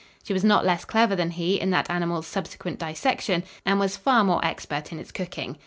She was not less clever than he in that animal's subsequent dissection, and was far more expert in its cooking.